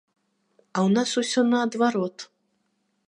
А ў нас усё наадварот!